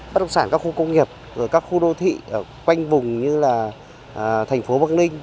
bất động sản các khu công nghiệp các khu đô thị quanh vùng như là thành phố bắc ninh